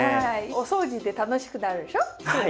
お掃除って楽しくなるでしょ？ね。